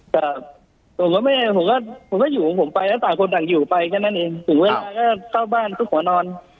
แต่ผมกับแม่ผมก็ผมก็อยู่ของผมไปแล้วต่างคนต่างอยู่ไปแค่นั้นเองถึงเวลาก็เข้าบ้านก็ขอนอน